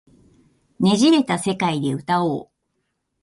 捻れた世界で歌おう